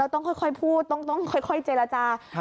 ต้องค่อยพูดต้องค่อยเจรจา